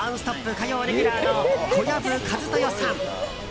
火曜レギュラーの小籔千豊さん。